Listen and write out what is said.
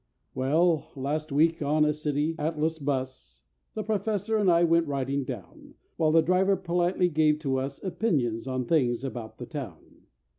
Well, last week on a City Atlas 'bus The Professor and I went riding down, While the driver politely gave to us Opinions on things about the town.